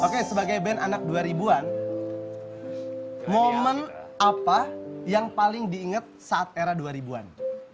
oke sebagai band anak dua ribu an momen apa yang paling diingat saat era dua ribu an